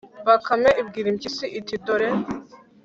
bakame ibwira impyisi iti, dore,